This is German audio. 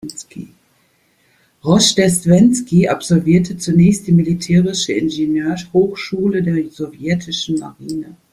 Roschdestwenski absolvierte zunächst die militärische Ingenieurhochschule der sowjetischen Marine.